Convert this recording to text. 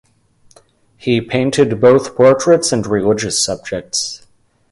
He painted both portraits and religious subjects.